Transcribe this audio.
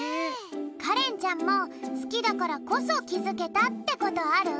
カレンちゃんもすきだからこそきづけたってことある？